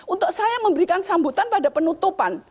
untuk saya memberikan sambutan pada penutupan